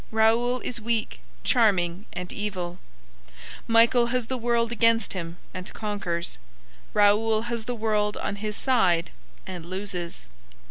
Raoul is weak, charming and evil. Michael has the world against him and conquers. Raoul has the world on his side and loses.